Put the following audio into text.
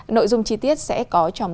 nội dung chi tiết sẽ có trong